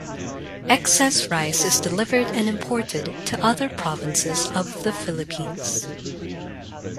Excess rice is delivered and imported to other provinces of the Philippines.